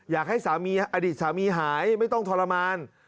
อยากให้สามีอดีตสามีหายไม่ต้องทรมาน